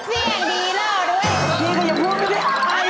เสียงดีเลย